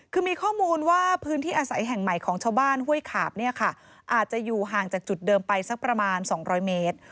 คือมีข้อมูลว่าพื้นที่อาศัยแห่งใหม่ของชาวบ้านห้วยขาบเนี่ยค่ะอาจจะอยู่ห่างจากจุดเดิมไปสักประมาณ๒๐๐เมตร